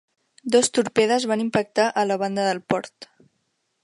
Dos torpedes van impactar a la banda del port.